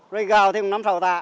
rơi gào thì cũng năm sáu tạ